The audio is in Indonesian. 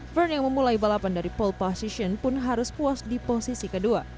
frank yang memulai balapan dari pole position pun harus puas di posisi kedua